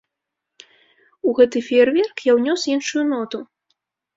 У гэты феерверк я ўнёс іншую ноту.